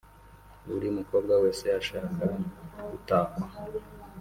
Buri mukobwa wese ashaka gutakwa